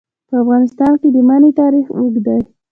په افغانستان کې د منی تاریخ اوږد دی.